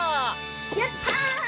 やった！